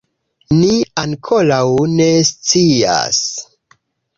Ni ankoraŭ ne scias